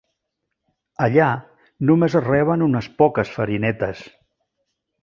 Allà, només reben unes poques farinetes.